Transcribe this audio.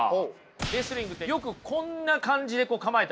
レスリングってよくこんな感じで構えたりしてますよね。